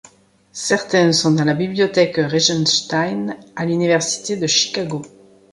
Certains sont dans la bibliothèque Regenstein à l'Université de Chicago.